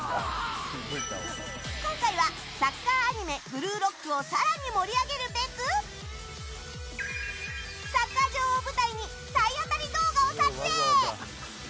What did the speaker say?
今回はサッカーアニメ「ブルーロック」を更に盛り上げるべくサッカー場を舞台に体当たり動画を撮影。